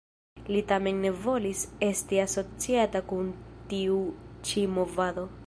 Li tamen ne volis esti asociata kun tiu ĉi movado.